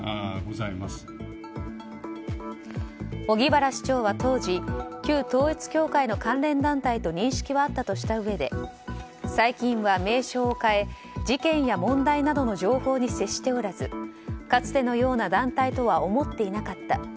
荻原市長は当時旧統一教会の関連団体と認識はあったとしたうえで最近は名称を変え事件や問題などの情報に接しておらずかつてのような団体とは思っていなかった。